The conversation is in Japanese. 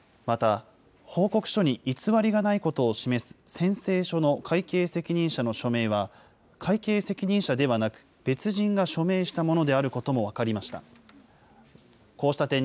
また、報告書に偽りがないことを示す宣誓書の会計責任者の署名は、会計責任者ではなく、別人が署名したものであることも分かりました。